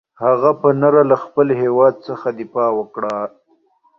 هغه په نره له خپل هېواد څخه دفاع وکړه.